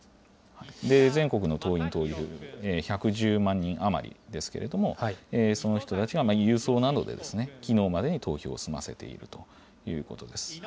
全国の党員・党友１１０万人余りですけれども、その人たちが郵送などで、きのうまでに投票を済ませているということです。